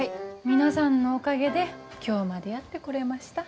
皆さんのおかげで今日までやってこれました。